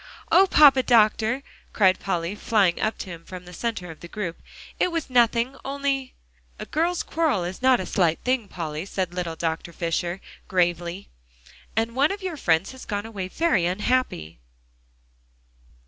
"Oh, Papa Doctor!" cried Polly, flying up to him from the center of the group, "it was nothing only" "A girl's quarrel is not a slight thing, Polly," said little Dr. Fisher gravely, "and one of your friends has gone away very unhappy."